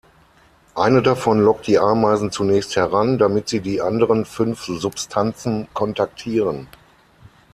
Eine davon lockt die Ameisen zunächst heran, damit sie die anderen fünf Substanzen kontaktieren.